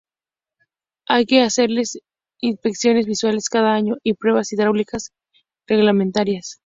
Hay que hacerles inspecciones visuales cada año y pruebas hidráulicas reglamentarias.